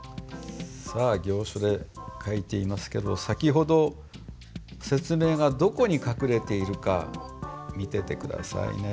さあ行書で書いていますけど先ほど説明がどこに隠れているか見てて下さいね。